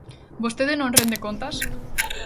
¿Vostede non rende contas?